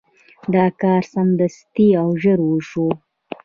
دا کار سمدستي او ژر وشو.